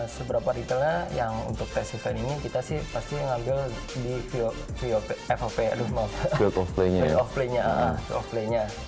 seberapa detailnya yang untuk tes event ini kita sih pasti ngambil di field of play nya